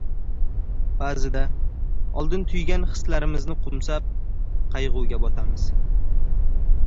Baʼzida oldin tuygan hislarimizni qoʻmsab qaygʻuga botamiz.